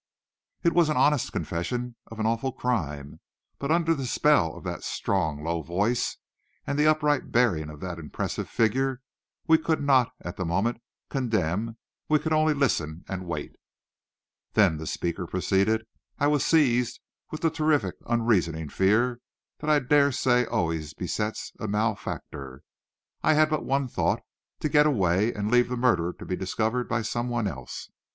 It was an honest confession of an awful crime. But under the spell of that strong, low voice, and the upright bearing of that impressive figure, we could not, at the moment, condemn; we could only listen and wait. "Then," the speaker proceeded, "I was seized with the terrific, unreasoning fear that I dare say always besets a malefactor. I had but one thought, to get away, and leave the murder to be discovered by some one else.